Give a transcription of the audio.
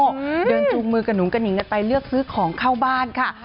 เดินจูงมือกระหุงกระหิงกันไปเลือกซื้อของเข้าบ้านค่ะ